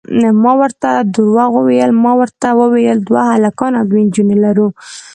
ما ورته درواغ وویل، ما ورته وویل دوه هلکان او دوې نجونې لرو.